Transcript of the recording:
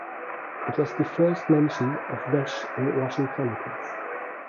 It was the first mention of veche in Russian chronicles.